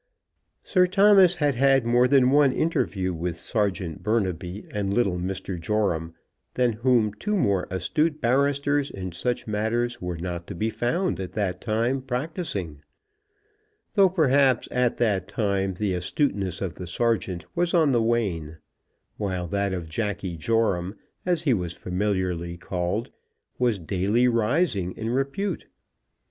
Sir Thomas had had more than one interview with Serjeant Burnaby and little Mr. Joram, than whom two more astute barristers in such matters were not to be found at that time practising, though perhaps at that time the astuteness of the Serjeant was on the wane; while that of Jacky Joram, as he was familiarly called, was daily rising in repute.